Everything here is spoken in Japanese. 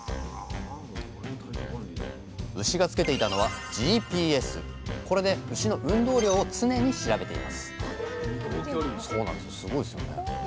牛が付けていたのはこれで牛の運動量を常に調べていますえ